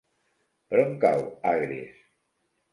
Per on cau Agres?